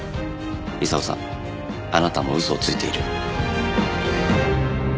功さんあなたも嘘をついている。